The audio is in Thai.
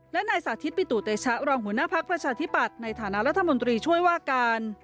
และนายสาธิตปิตุเตชะรองหัวหน้าภักดิ์ประชาธิปัตย์ในฐานะรัฐมนตรีช่วยว่าการ